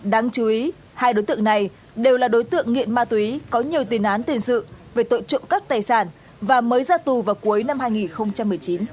đáng chú ý hai đối tượng này đều là đối tượng nghiện ma túy có nhiều tiền án tiền sự về tội trộm cắp tài sản và mới ra tù vào cuối năm hai nghìn một mươi chín